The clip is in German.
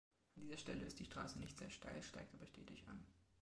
An dieser Stelle ist die Strasse nicht sehr steil, steigt aber stetig an.